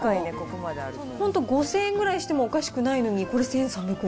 本当、５０００円ぐらいしてもおかしくないのに、これ１３００円。